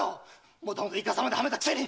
もともとイカサマではめたくせに！